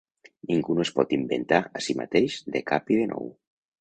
Ningú no es pot inventar a si mateix de cap i de nou.